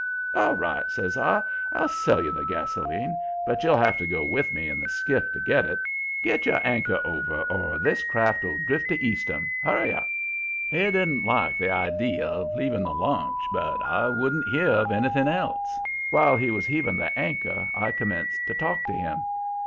"'All right,' says I. 'I'll sell you the gasoline, but you'll have to go with me in the skiff to get it. Get your anchor over or this craft'll drift to Eastham. Hurry up.' "He didn't like the idee of leaving the launch, but I wouldn't hear of anything else. While he was heaving the anchor I commenced to talk to him.